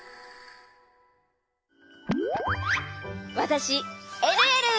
わたしえるえる！